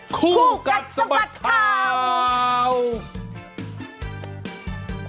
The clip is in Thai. คู่กัดสบัตรค้าว